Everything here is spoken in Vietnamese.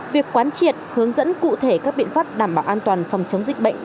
việc quán triệt hướng dẫn cụ thể các biện pháp đảm bảo an toàn phòng chống dịch bệnh